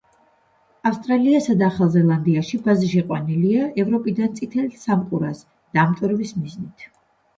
ავსტრალიასა და ახალ ზელანდიაში ბაზი შეყვანილია ევროპიდან წითელი სამყურას დამტვერვის მიზნით.